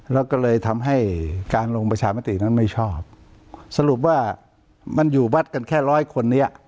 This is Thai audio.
แล้วก็เลยทำให้การลงประชามตินั้นไม่ชอบสรุปว่ามันอยู่วัดกันแค่ร้อยคนนี้